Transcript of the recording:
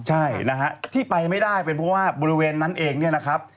ใช่นะฮะที่ไปไม่ได้เป็นเพราะว่าบริเวณนั้นเองเนี่ยนะครับ